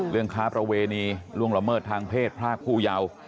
เรื่องค้าประเวณีล่วงละเมิดทางเพศพระคู่ยาว